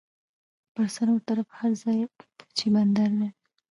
پر څلور طرفه هر ځای چې بندر دی